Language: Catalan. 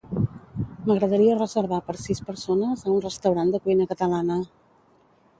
M'agradaria reservar per sis persones a un restaurant de cuina catalana.